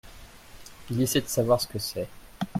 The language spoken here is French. Il essaye de savoir ce que c’est.